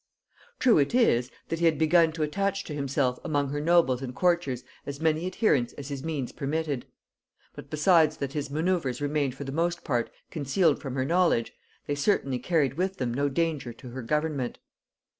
True it is, that he had begun to attach to himself among her nobles and courtiers as many adherents as his means permitted; but besides that his manoeuvres remained for the most part concealed from her knowledge, they certainly carried with them no danger to her government.